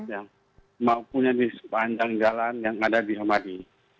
yang maupunnya di sepanjang jalan yang ada di samari